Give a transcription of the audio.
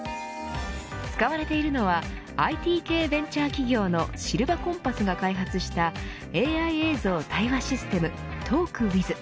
使われているのはＩＴ系ベンチャー企業のシルバコンパスが開発したＡＩ映像対話システムＴａｌｋＷｉｔｈ。